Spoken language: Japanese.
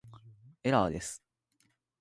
エラーです